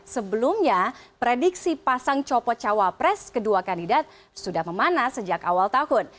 sebelumnya prediksi pasang copot cawapres kedua kandidat sudah memanas sejak awal tahun